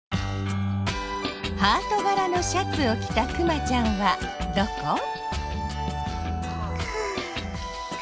ハートがらのシャツをきたクマちゃんはどこ？